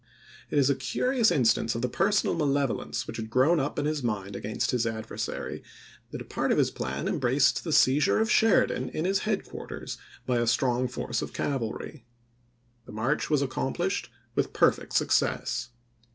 It is a curious instance of the personal malevolence which had grown up in his mind against his adversary, that a part of his plan • jXSfrof em^raced the seizure of Sheridan in his headquar iear of tL ^ers ^J a strong force of cavalry. The march was no. accomplished with perfect success.